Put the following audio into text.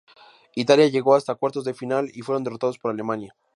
Italia llegó hasta cuartos de final, y fueron derrotados por Alemania.